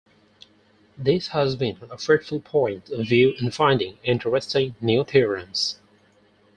This has been a fruitful point of view in finding interesting new theorems.